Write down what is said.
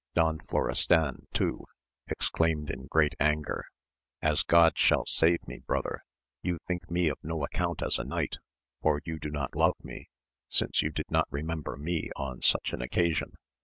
Don Florestan, too, exclaimed in great anger, As God shall save me, brother, you think me of no account as a knight, or you do not love me, since you did not remember mo on such an occasion